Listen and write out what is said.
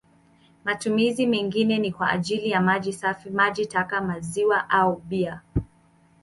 Matumizi mengine ni kwa ajili ya maji safi, maji taka, maziwa au bia.